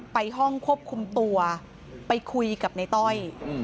ไปห้องควบคุมตัวไปคุยกับในต้อย